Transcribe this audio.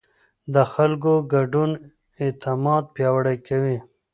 د خلکو ګډون اعتماد پیاوړی کوي